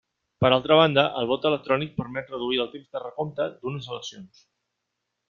Per altra banda, el vot electrònic permet reduir el temps de recompte d'unes eleccions.